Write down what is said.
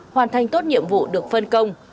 hoàn thành tốt nhiệm vụ được phân công